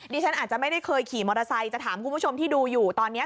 ฉันอาจจะไม่ได้เคยขี่มอเตอร์ไซค์จะถามคุณผู้ชมที่ดูอยู่ตอนนี้